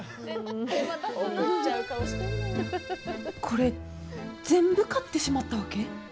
これ全部買ってしまったわけ？